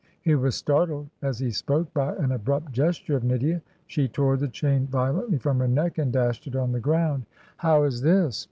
He was startled as he spoke by an abrupt gesture of Nydia ; she tore the chain violently from her neck, and dashed it on the ground. ' How is this?